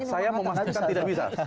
saya memastikan tidak bisa